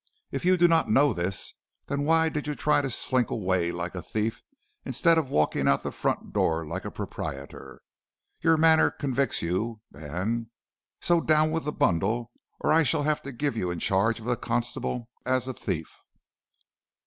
If you do not know this, why did you try to slink away like a thief, instead of walking out of the front door like a proprietor? Your manner convicts you, man; so down with the bundle, or I shall have to give you in charge of the constable as a thief.'